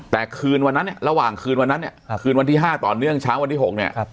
แต่คืนวันนั้นเนี่ยระหว่างคืนวันนั้นเนี่ยคืนวันที่๕ต่อเนื่องเช้าวันที่๖เนี่ย